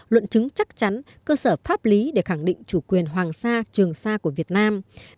luận chứng chắc chắn cơ sở pháp lý để khẳng định chủ quyền hoàng sa trường sa của việt nam